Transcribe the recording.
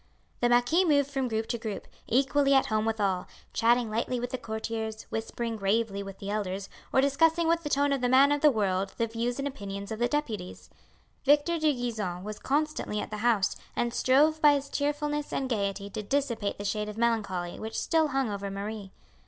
The marquis moved from group to group, equally at home with all, chatting lightly with the courtiers, whispering gravely with the elders, or discussing with the tone of the man of the world the views and opinions of the deputies. Victor de Gisons was constantly at the house, and strove by his cheerfulness and gaiety to dissipate the shade of melancholy which still hung over Marie.